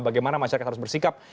bagaimana masyarakat harus bersikap